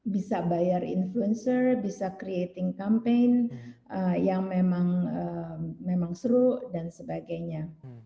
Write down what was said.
bisa bayar influencer bisa creating campaign yang memang seru dan sebagainya